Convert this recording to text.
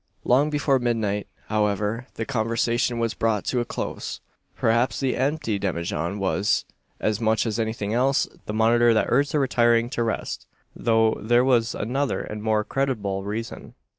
Long before midnight, however, the conversation was brought to a close. Perhaps the empty demijohn was, as much as anything else, the monitor that urged their retiring to rest; though there was another and more creditable reason.